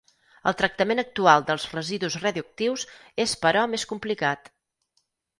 El tractament actual dels residus radioactius és però més complicat.